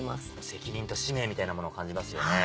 責任と使命みたいなものを感じますよね。